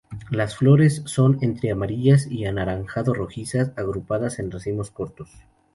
Las flores son entre amarillas y anaranjado-rojizas, agrupadas en racimos cortos.